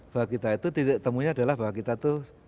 bahwa kita itu tidak temunya adalah bahwa kita itu